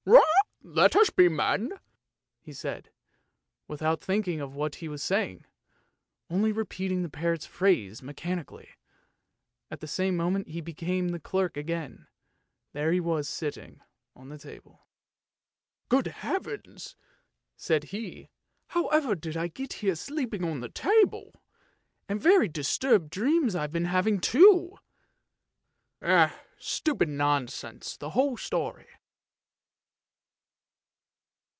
" Let us be men! " he said, without thinking of what he was saying, only repeating the parrot's phrase mechanically; at the same moment he became the clerk again, there he was sitting on the table. " Good heavens! " said he, " however did I get here sleeping on the table, and very disturbed dreams I've been having too! Stupid nonsense the whole story!